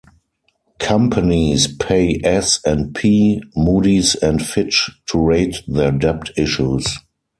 Companies pay S and P, Moody's and Fitch to rate their debt issues.